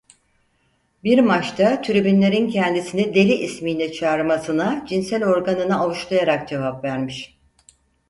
Bir maçta tribünlerin kendisini deli ismiyle çağırmasına cinsel organını avuçlayarak cevap vermiş.